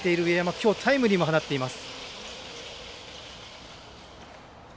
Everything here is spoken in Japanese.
きょう、タイムリーも放っています。